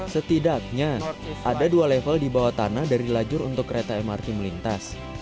setidaknya ada dua level di bawah tanah dari lajur untuk kereta mrt melintas